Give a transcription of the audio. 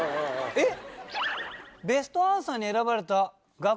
えっ？